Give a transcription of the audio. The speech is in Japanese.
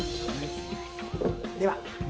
では。